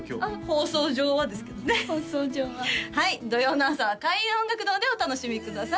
放送上ははい土曜の朝は開運音楽堂でお楽しみください